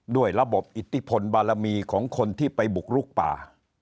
ด้วยระบบอิทธิพลบารมีของคนที่ไปบุกลุกป่า